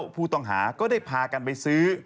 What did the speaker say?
ผู้ต้องหาก็ได้พากันไปซื้อ